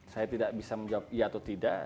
saya tidak bisa menjawab iya atau tidak